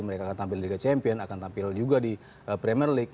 mereka akan tampil di liga champion akan tampil juga di premier league